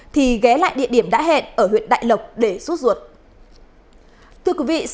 thì ghé lại địa điểm đã hẹn ở huyện đại lộc để rút ruột